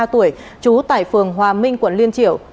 ba mươi ba tuổi chú tại phường hòa minh quận liên triệu